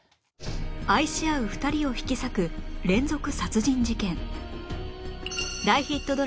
愛し合う２人を引き裂く連続殺人事件